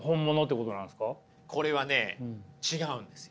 これはね違うんですよ。